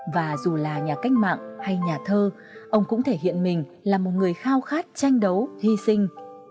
và dù là nhà cách mạng hay nhà thơ ông cũng thể hiện mình là một người khao khát tranh đấu hy sinh